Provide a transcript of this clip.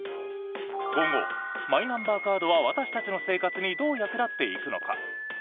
今後、マイナンバーカードは私たちの生活にどう役立っていくのか？